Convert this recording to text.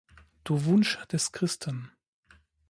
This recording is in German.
Du Wunsch des Christen!